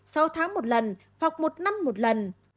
sau tháng một lần hoặc một năm một lần